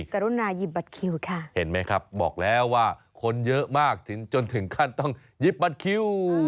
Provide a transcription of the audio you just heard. กรุณาหยิบบัตรคิวค่ะเห็นไหมครับบอกแล้วว่าคนเยอะมากถึงจนถึงขั้นต้องหยิบบัตรคิว